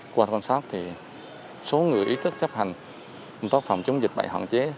quảng nam xác thì số người ý thức chấp hành phòng chống dịch bệnh hoạn chế